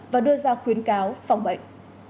và đưa ra khuyến cáo phòng bệnh